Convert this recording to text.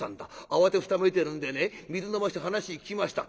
慌てふためいてるんでね水飲まして話聞きました。